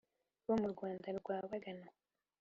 bo mu rwanda rw’abaganwa